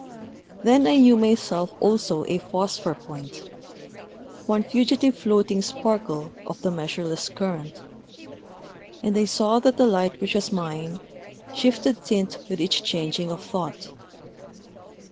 Then I knew myself also a phosphor point, one fugitive floating sparkle of the measureless current; and I saw that the light which was mine shifted tint with each changing of thought.